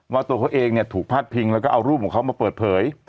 ตัวเขาเองเนี่ยถูกพาดพิงแล้วก็เอารูปของเขามาเปิดเผย